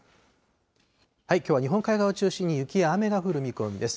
きょうは日本海側を中心に雪や雨が降る見込みです。